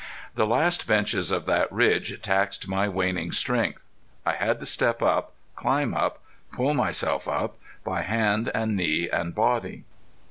The last benches of that ridge taxed my waning strength. I had to step up, climb up, pull myself up, by hand and knee and body.